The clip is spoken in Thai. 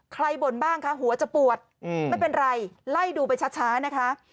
บ่นบ้างคะหัวจะปวดไม่เป็นไรไล่ดูไปช้านะคะ